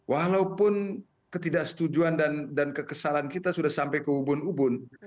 walaupun ketidaksetujuan dan kekesalan kita sudah sampai ke ubun ubun